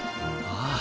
ああ。